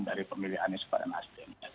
dari pemilihan anies pada nasden